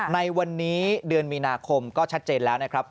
ในวันนี้เดือนมีนาคมก็ชัดเจนแล้วนะครับ